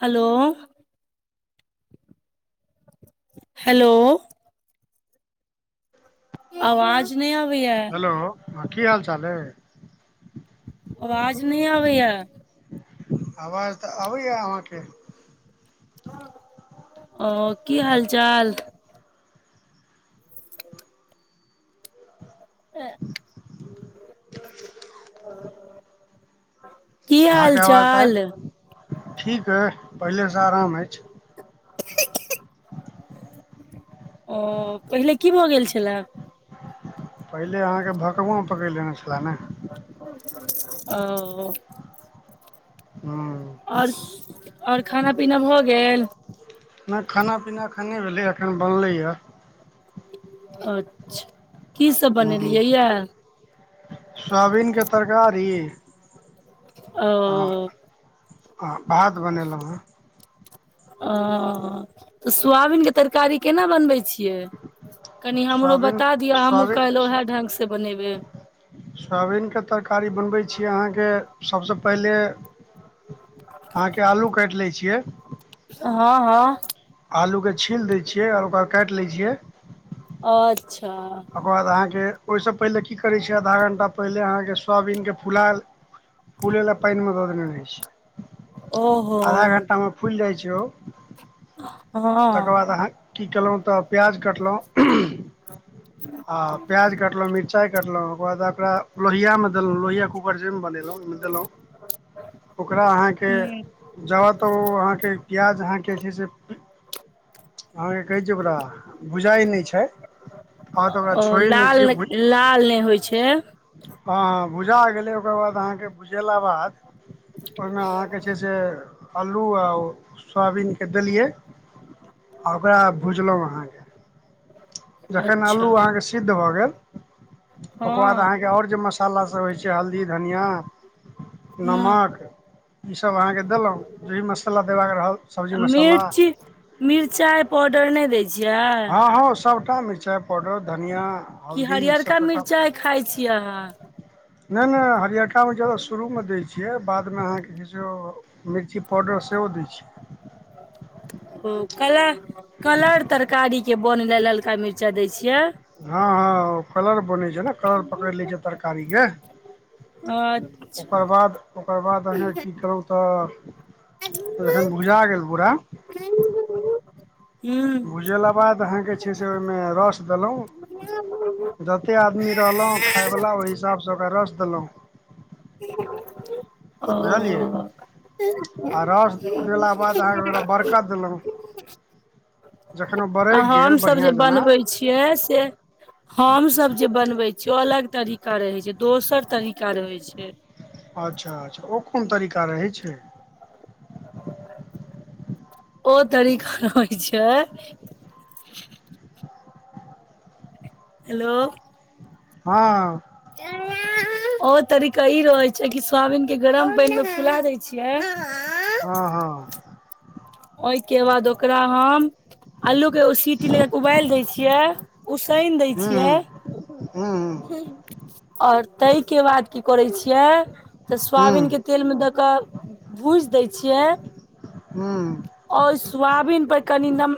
हलो [inaudible] hello आवाज नै आबैया। हेलो, हं की हालचाल अइ। अवाज नै आबैया। आवाज त आबैया अहाँके। ओ की हाल चाल? आ की अहाँके हाल आवाज त चाल आब ठीक अइ पहिलेसं आराम अछि। [unintelligible] ओ पहिले की भ गेल छला? पहिले अहाँके भकौंआ पकरि लेने छला ने [unintelligible] ओ हं आओर खाना पीना भ गेल? नै खाना पीना एखनि नै भेलै, एखन बनलैए। अच्छा की सब बनेलियै ए? सोआबीनके तरकारी ओ [inaudible] आ आ भात बनेलौं हें। [inaudible] ओ त सोआबीनके तरकारी केना बनबै छियै? कनी हमरो सोयाबीन बता दिअ, हमहुँ कालि वैह ढंग से बनेबै। सोआबीनके तरकारी बनबै छिअइ अहाँके सबसं पहिले [inaudible] अहाँके आलू काटि लै छियै। से हं- हं आलूके छील दै छियै आ ओकरा काटि लै छियै। अच्छा ओकर बाद अहाँके, ओइसं पहिले की करै छिअइ आधा घंटा पहिले अहाँके सोआबीनके फुला फूलै ले पानि मे द देने रहै छिअइ, ओहो आधा घंटामे फुलि जाइ छै ओ हँ तकर बाद अहाँ की केलौ त प्याज कटलौ। आ प्याज कटलौं, मिरचाइ कटलौं। ओकर बाद अकरा लोहियामे देलौं लोहिया ऊप पर जैमे बनेलौं ओइमे देलौं, ओकरा अहाँके जाबत ओ अहाँके प्याज अहाँके छै से अहाँकेँ कहै छै ओकरा, भुझाइ नै छै, अहाँके ओकरा ओ छोरैए नै लाल छियै भु लाल नै होइ छै। हँ भुजा गेलै ओकर बाद अहाँके भुजेला बाद ओइमे अहाँके छै से अल्लू आ ओ सोआबीनके देलियै, आ ओकरा भुजलौं अहाँके जखन अच्छा आलू अहाँके सिद्ध भ गेल ओकर बाद हँ अहाँके आओर जे मसल्ला सब होइ छै हल्दी धनियां ह नमक ईसभ अहाँके देलहुँ, जेहि मसाला देबाक रहल। सब्जी मसाला मिर्ची मिरचाई पाउडर नहि दै छियै? हँ, हँ, सभटा मिरचाइ पाउडर धनिया की हल्दी ईसभ हरियरका सभटा मिरचाइ खाइ छियै, अहाँ? नहि -नहि हरियरका शुरू मे दैत छियै, बादमे अहाँके कहै छै। मिर्ची पाउडर सेहो दै छियै। ओ कल कलर तरकारी के बन ले ललका मिर्चाई दै छियै। हँ, हँ, ओ कलर बनै छै ने, कलर पकड़ि लैत छै तरकारीके अच्छा! ओकर बाद ओकर बाद अहाँ की कहुँ तऽ, जखन भुजा गेल पुरा ख [inaudible] भुजेला के बाद अहाँके छै से, ओहिमे रस देलहुँ। जतेक आदमी रहलहुँ खायवला, ओहि हिसाबसँ ओकरा रस देलहुँ। ओ बुझलियै [unintelligible] आ रस देला बाद, अहाँके ओकरा बरक देलहुँ जखन ब आ हमसभ जे बनबै छियै से हम सब जे बनवे छीय, ओ अलग तरीका रहे छै, दोसर तरीका रहे छै। अच्छा! अच्छा! ओ कोन तरीका रहै छै? ओ तरीका रहइ छै। हेलो! हँ। आ [inaudible] ओ तरीका ई रहैत छै कि, सोयाबीन के गरम पानि मे फुला दै छियै। [unintelligible] हँ, हँ। ओहिके बाद ओकरा हम आलू के सीटी लगा के उबाल देय छियै, उसनि देय छियै। हुं, हुं। और ताहिके बाद की करैत छियै? तऽ सोयाबीन हूँ के तेल मे दऽ कऽ भूजि दै छियै। हँ। ओ सोयाबीन पर कनि नम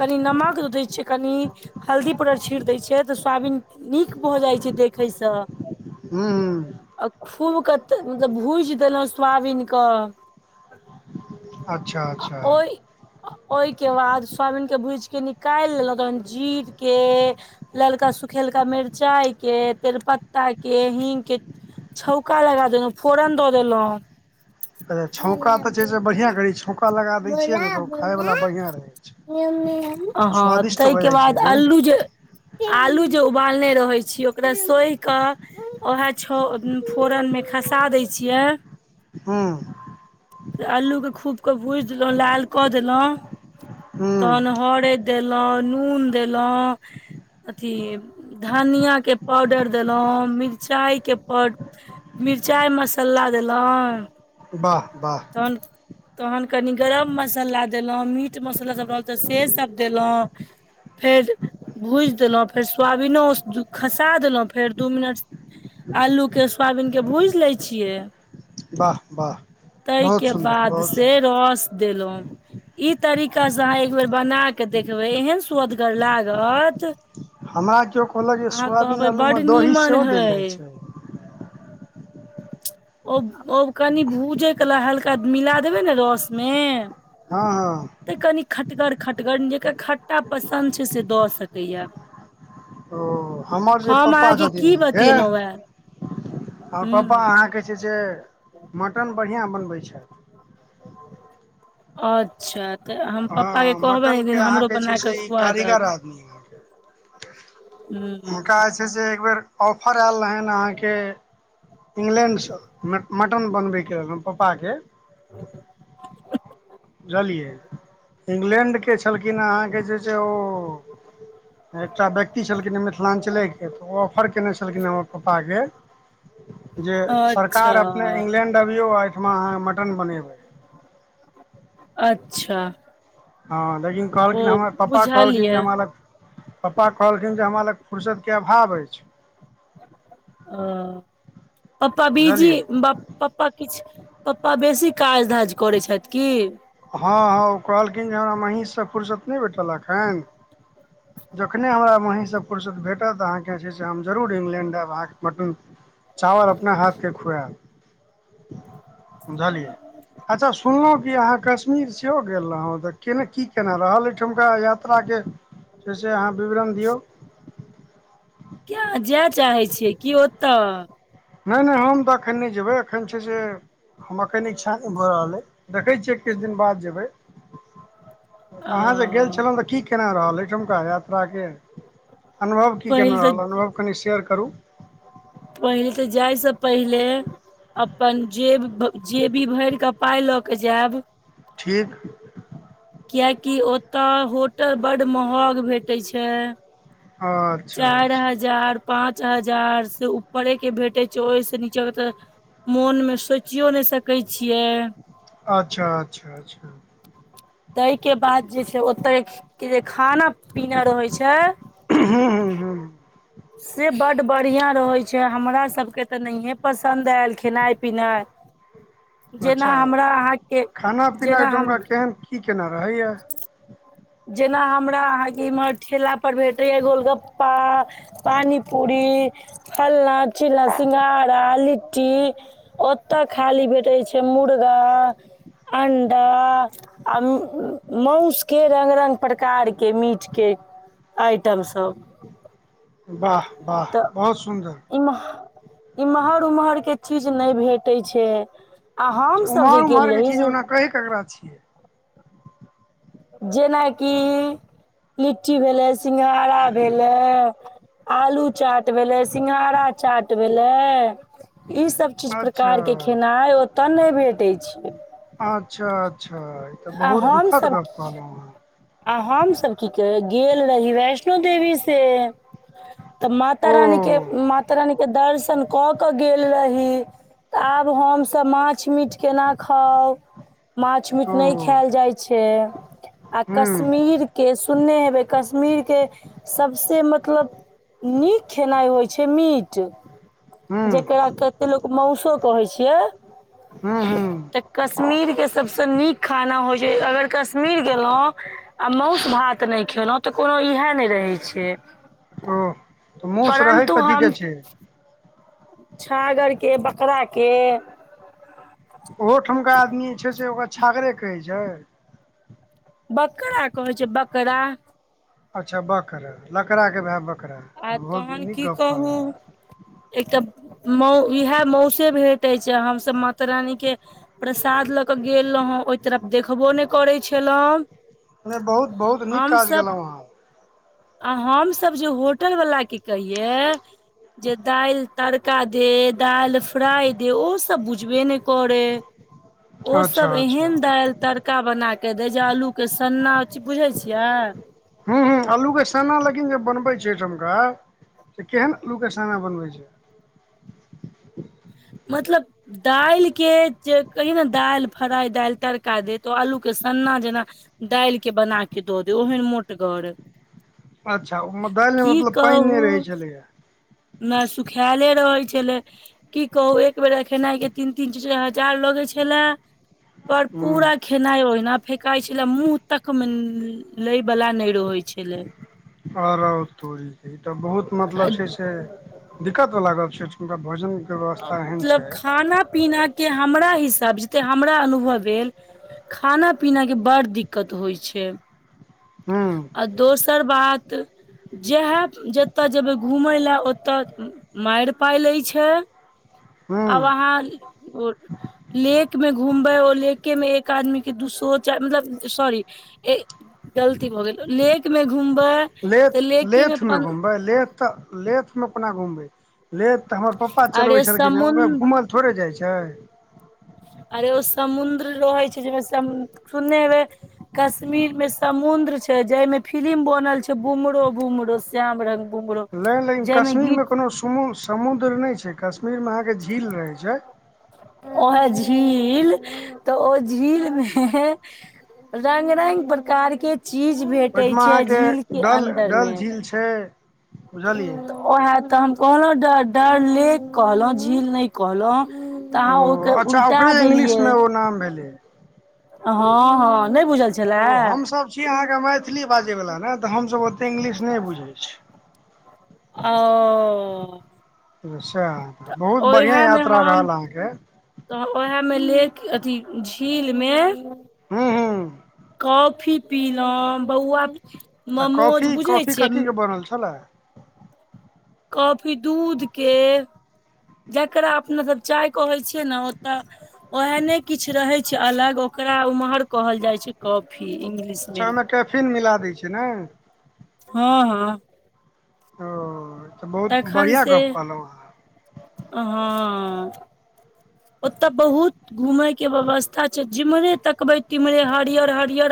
कनि नमक दै छैिय, कनि हल्दी पाउडर छीट दैत छियै तऽ, सोयाबीन नीक भऽ जाइत छै देखैसँ। ह ह। आ खूब के मतलब भुज देलहुं सोाबीन के। अच्छा! अच्छा ओइ ओहिके बाद स्वामीन के भूजि के निकालि लेलउ तखन जीर के ललका सुखेलका मिर्चाई के तेर प त्ता के हींग के छौका लगा देलहुँ, फोरन दऽ देलहुँ। अच्छा! छौका बोला तऽ छै से बढ़िआँ करै छै, छौका लगा दैत छियै ने तऽ, ओ खायवला बढ़िआँ रहै छै। ह स्वादिष्ट भऽ ताहिके जाइ छै बाद एकदम अल्लू जे [unintelligible] आलू जे उबालने रहै छीय ओकरा सोहि क उएह छ फोरनमे खसा दैत छियै। हू। अल्लूके खूब क भूजि देलौं, लाल कऽ देलौं। हूँ तऽहन हरैद देलौं, नून देलौं। अथी धनिया के पाउडर देलौं, मिरचाइ के पाउड मिरचाइ मस्सला देलौं। बाह-बाह। तहन कनि गरम मस्सला देलौं, मीट मस्सला सभ रहल तऽ से सभ देलौं। फेर भुजि देलौं, फेर सुवाबीनो खसा देलौं, फेर दू मिनट अल्लू के सुवाबीन के भुइज लै छियै। वाह वाह तई बहुत के सुन्दर बाद बहुत से सुन्दर रऽस देलौं। ई तरीका स अहाँ एक बेर बना क देखबै एहन स्वदगर लागत हमरा कियो कहलक जे अहाँ सुवाबिन कहबै आलू बड मे दऽही नीमन सेहो देल जाइ हय छैय। ओ-ओ कनि भूजै कला हल्का मिला देबै ने रऽस में हँ-हँ। तऽ कनी खटगर खटगर जकर खट्टा पसन्द छै से दऽ सकैए। ओ हमर जे पप्पा अहाँके छथिन की अहाँके, बतेलहुँ हे अहा पप्पा हूँ अहाँके जे छै, मटन बढ़िआँ बनबै छैय। अच्छा तऽ हम पप्पा के हँ कहबैन, एक मटनके दिन हमरो अहाँके छै बना से कऽ ई खुआ कारीगर दौथ। आदमी अहाँके। हुनका अछ से एक बेर ऑफर ऐल रहन आँह के इंग्लैण्ड सँ मट्-मटन बनबै के पापाके। [inaudible] एलियै इंग्लैंड के छलखिन आहां के जे ओ एकटा व्यक्ति छलखिन हेँ मिथिलाञ्चलेके तऽ ओ ऑफर केने छलखिने हमर पप्पाके जे सरकार अपने अच्छा इंग्लैंड अबियौ ओई ठमा अहाँ मटन बनेबै। अच्छा। हँ लेकिन कहलखिन ओ हमर पप्पा बुझल कहलखिन जे ये हमरा लग पप्पा कहलखिन जे हमरा लग फुुरसत के अभाव अछि। अऽ, पप्पा बीजी बुझलियै बप पप्पा किछु, पप्पा बेसी काज धाज करैत छथि की? हँ-हँ, ओ कहलखिन जे हमरा महीष सँ फुुरसत नहि भेटलखन अखन। ह जखने हमरा महीसँ फुरसत भेटत अहाँकेँ छै से हम जरूर इंग्लैण्ड आयब अहाँके मटन चावल अपना हाथ के खुएब। बुझलियै? अच्छा सुनलौं कि अहाँ कश्मीर सेहो गेल रहौं, तऽ केना की केना रहल ओई ठमका यात्रा के? से से अहाँ विवरण दियौ। किया अहॉं जाय चाहे छियै की ओतऽ? नैय नैय हम तऽ एखन नहि जेबै एखन छै से हमर खैन इच्छा नैय भऽ रहल अइ, देखै छियै किछु दिन बाद जेबै। अहाँ जे गेल अ छलौं तऽ की केना रहल ओईठमका यात्राके? अनुभव की पहिल केना तऽ रहल? अनुभव कनि शेयर करू। पहिल तऽ जाइसँ पहिले अपन जेब जेबी भरि कऽ पाइ लऽ कऽ जायब। ठीक। कियेकि ओत होटल बड महग भेटे छै। और चाइर हजार, पाँच हजार से ऊपरे के भेटे छै ओइस निचाँ के ते मोन में सोइचियो ने सकै छियै अच्छा-अच्छा-अच्छा तै के बाद जे छै ओत्तय कि जे खाना पीना रहे छै। हूं- हूं-हूं्हूं से बड बढ़िया रहै छै, हमरा सबके त नैंहें पसन्द एल खेनाय- पिनाय। [unintelligible] अच्छा, खाना-पीना ऐ जेना हम ठमका केहन की-केना रहैये? जेना हमरा अहाँके इमहर ठेला पर भेटैये गोलगप्पा पानीपूरी, फलना-चिलना, सिंघाारा, लि ट्टी ओत्त खाली भेटै छै मुर्गा, चि अण्डा आ म् मौस के रंग-रंग प्रकार के मीट के आइटम सब। बाह-बाह तऽ बहुत-सुन्दर। इम्ह इम्हर-उम्हर के चीज नै भेटै छै। आ हम सब उम्हर जे गेल उम्हर के रही चीज से ओना कहै ककरा छियै? जेनाकि लिट्टी भेलै, सिंघारा भेलै आलू चाट भेलै, सिंघारा चाट भेलै ई सब किछ अच्छा प्रकार के खेनाय ओतऽ नै भेटै छै। आच्छा-अच्छा इ तऽ आ बहुत दुखद हमसभ गप कहलौं आँ आ हम सब की कैह, गेल रही वैष्णो देवी से तऽ माता रानी के- ओ माता रानी के दर्शन कऽ केऽ गेल रही। तऽ आब हम सब माछ-मीट केना खाउ? माछ-मीट नै ओ खेल जाइ छै आ हूँ कश्मीर के सुनने हेबै कश्मीर के सबसे मतलब नीक खेनाय होइ छै मीट। हूँ जेकरा कते लोक मौसो कहै छियै। हूँ हूँ त कश्मीरके सबसे नीक खाना होइ छै, अगर कश्मीर गेलौं आ मौस-भात नै खेलौं तऽ कोनो इहे नै रहै छै। ओ, तऽ मौस रहै परन्तु कथीे के छै? छागरके, बकराके ओहो ठमका आदमी छै से ओकरा छागरे कहै छै? बकरा कहै छै बकरा। अछा बकरा, लकड़ा के भे बकरा, आ बहुत तहन नीक की गप कहू कहलौंए। एकटा मौ इहे मौसे भेटै छै आ हम सब माता रानी के प्रसाद लऽ कऽ गेल रहौं, ओइ तरफ देखबो नै करै छलौं नै बहुत-बहुत नीक काज गेलौं अहाँ। आ हम सब जे होटल वला के कहियै जे दाइल तड़का दे, दाइल फ्राइ दे ओ सब बुझबे ने करै। ओ सब अच्छा अच्छा एहेन दाइल तर का बना के दै छै आलू के सन्ना चि बुझै छियै? हूँ, हँ, आलू के सना लेकिन जे बनबै छै, कनि। ओकर से केहन आलू के साना बनबै छियै? मतलब दालिक के जे, कहियो ने दालि फ्राइ, दालि तड़का देतो आलू के सन्ना जेना दालि के बना के दऽ दे, ओहन मोटगर। अच्छा! ओ दालि मे की मतलब पानि नहि कहू रहे छलै हे। ने सुखायले रहै छलै। की कहू एक बेर ए खेनाइ के, तीन- तीन चार- चार हजार लगे छले, पर हूँ पूरा खेनाइ ओहिना फेकई छलै, मुँह तक मे लय वलाा नहि रहै छलै। आरो तोरी के, ई तऽ बहुत मतलब छै, से दिक्कत बला गप छै, अइ ठुनका भोजन! मतलब खाना- पीना। के हमरा हिसाब जते हमरा अनुभव भेल, खाना- पीना के बड़ दिक्क दिक्कत होइ छै। हू। आ दोसर बात! जेह जतय जेबै घूमय लए, ओतय मारि पाय लैत छै। हूँ आब अहाँ लेेक में घूमबै, ओ लेके में एक आदमी के, दू सो चार मतलब सॉरी। गलती भऽ गेल नेक में घुमबै। लेथ, तऽ लेके लेथ मे पन घुमबै, लेथ तऽ लेथ मे कोना घुमबै, लेथ तऽ हमर पप्पा अरे चलबै छलखिन ह, समुद्र ओ घूमल थोड़े जाइ छै। आर एगो समुद्र रहै छै, जाहिमे सुनने हेबै कश्मीर में समुंद्र छै, जहिमें फिलिम बनल छै, बुमरो -बुमरो श्याम रंग बुमरो नहि-नहि, जाहिमे कश्मीरमे गीत कोनो समुद्र नहि छै, कश्मीरमे अहाँके झील रहै छै। ओहे झील, तऽ ओ झील मे रंग- रंग प्रकार के चीज भेटे ओहिठमा छै, झील के अन्दर मे। से बुझलियै। उए हए तऽ हम कहलहुँ, ड डर लेक कहलहुँ झील नहि कहलहुँ। तऽ ओ अहाँ ओहिके अच्छा उलटा ओकरे देलियै। इंग्लिशमे ओ नाम भेलै। हँ, हँ। नै बुझल ओ, छलए हमसभ छी अहाँके मैथिली बाजैवला ने, तऽ हमसभ ओतेक इंग्लिश नहि बुझैत छी। ओ। बहुत बढ़िया ओहे मे यात्रा हम रहल अहाँके। तऽ ओएह मे लेक, अथी झील मे हू हू। कॉफी पिलहुॅँ, बौआ मोमोज बुझै छियै? फरल छलै। काफी दूध के। जकरा अपना सब चाय कहै छियै ने, ओतऽ ओहे ने किछु रहे छै अलग, ओकरा उम्हर कहल जाय छै, कॉफी इंगलिश अच्छा! ओहिमे टैफिन मिला दै छै ने? हँ, हँ। ओ तऽ बहुत तखन बढ़िआँ से, गप्प कहलहुँ अहाँ हँ। ओत बहुत घूमैके व्यवस्था छै। जिम्हरे तकबै तिम्हरे हरियर हरियर